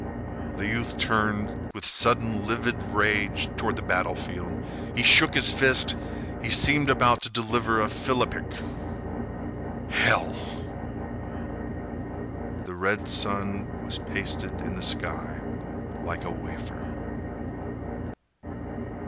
The youth turned, with sudden, livid rage, toward the battlefield. He shook his fist. He seemed about to deliver a philippic. "Hell—" The red sun was pasted in the sky like a wafer.